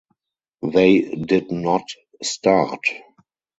They did not start.